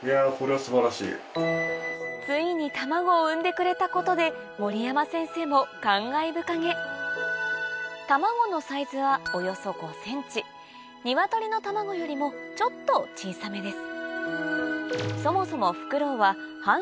ついに卵を産んでくれたことで守山先生も感慨深げ卵のサイズはニワトリの卵よりもちょっと小さめです